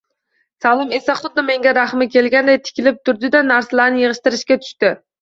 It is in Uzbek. Salim esa xuddi menga rahmi kelgandek tikilib turdi-da, narsalarini yigʻishtirishga tushdi.